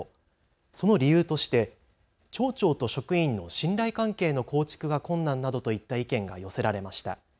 その理由として町長と職員の信頼関係の構築が困難などといった意見が寄せられました。